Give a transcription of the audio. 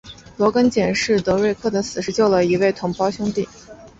罗根解释德瑞克的死是救了一位同袍兄弟。